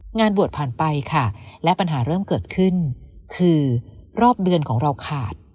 งานบวชผ่านไปค่ะและปัญหาเริ่มเกิดขึ้นคือรอบเดือนของเราขาด